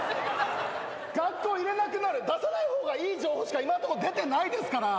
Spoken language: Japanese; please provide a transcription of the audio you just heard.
学校いれなくなる出さない方がいい情報しか今んとこ出てないですから。